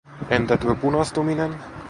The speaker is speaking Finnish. Entä tuo punastuminen?